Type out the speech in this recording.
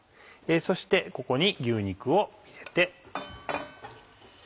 そしてここに牛肉を入れて。